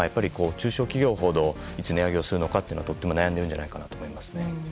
中小企業ほどいつ値上げをするのか悩みなんじゃないかなと思います。